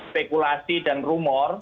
bekulasi dan rumor